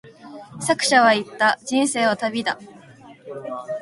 作者は言った、人生は旅だ。